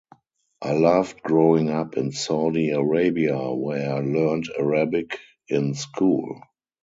I loved growing up in Saudi Arabia where I learned Arabic in school.